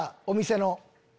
お店の。